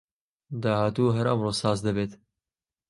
داهاتوو هەر ئەمڕۆ ساز دەبێت